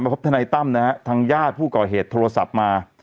พบทนายตั้มนะฮะทางญาติผู้ก่อเหตุโทรศัพท์มา